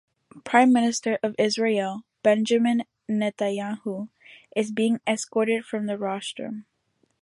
Prime Minister of Israel, Benjamin Netanyahu, is being escorted from the rostrum.